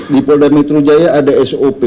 di polda mitrujaya ada sop